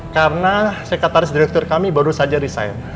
karena sekretaris direktur kami baru saja resign